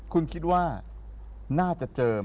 คุณคิดว่าน่าจะเจิม